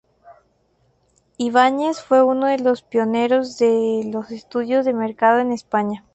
Ibáñez fue uno de los pioneros de los estudios de mercado en España.